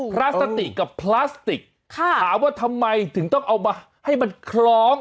พลาสติกับพลาสติกถามว่าทำไมถึงต้องเอามาให้มันคล้อง